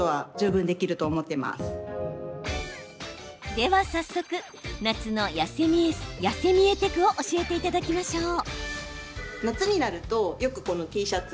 では早速、夏の痩せ見えテクを教えていただきましょう。